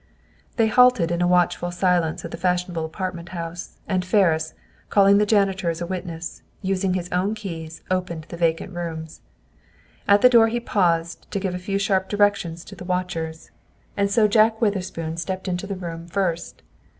They halted in a watchful silence at the fashionable apartment house, and Ferris, calling the janitor as a witness, using his own keys, opened the vacant rooms. At the door he paused to give a few sharp directions to the watchers, and so Jack Witherspoon stepped into the room first.